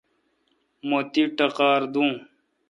مہ تی ٹقار دوں۔